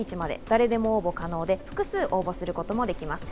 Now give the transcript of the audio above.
誰でも応募可能で、複数応募することもできます。